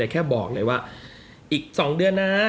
แค่บอกเลยว่าอีก๒เดือนนะ